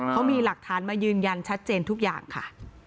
เขามีหลักฐานมายืนยันชัดเจนทุกอย่างค่ะ